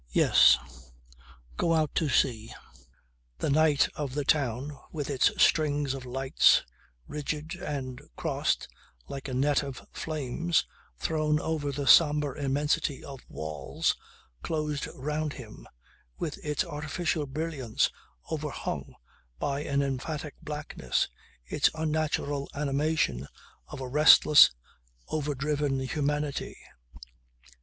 Yes. Get out to sea! The night of the town with its strings of lights, rigid, and crossed like a net of flames, thrown over the sombre immensity of walls, closed round him, with its artificial brilliance overhung by an emphatic blackness, its unnatural animation of a restless, overdriven humanity.